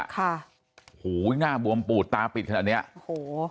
ค่ะโอ้โหหน้าบวมปูดตาปิดขนาดเนี้ยโอ้โห